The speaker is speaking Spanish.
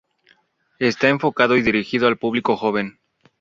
Está enfocado y dirigido al público joven.